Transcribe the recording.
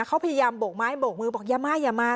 เขาพยายามโบกไม้โบกมือบอกอย่ามาอย่ามา